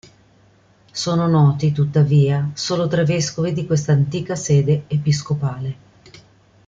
Sono noti tuttavia solo tre vescovi di questa antica sede episcopale.